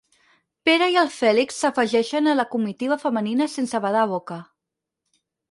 Pere i el Fèlix s'afegeixen a la comitiva femenina sense badar boca.